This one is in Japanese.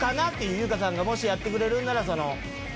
優香さんがもしやってくれるならその。